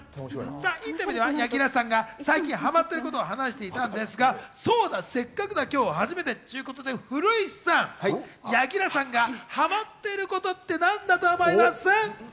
インタビューでは柳楽さんが最近ハマっていることを話していたんですが、そうだ、せっかくだ、今日は初めてということで古井さん、柳楽さんがハマっていることって何だと思います？